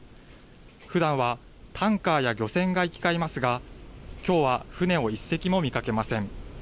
ふだんはタンカーや漁船が行き交いますがきょうは船を１隻も見かけません。